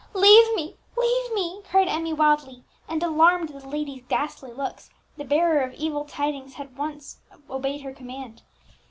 "Leave me, leave me!" cried Emmie wildly; and, alarmed at the lady's ghastly looks, the bearer of evil tidings at once obeyed her command.